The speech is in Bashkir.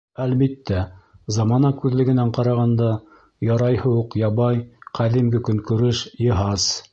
Әлбиттә, замана күҙлегенән ҡарағанда, ярайһы уҡ ябай, ҡәҙимге көнкүреш, йыһаз.